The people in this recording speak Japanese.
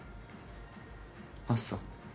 あっそう。